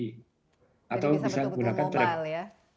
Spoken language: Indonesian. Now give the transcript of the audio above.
jadi bisa betul betul mobile ya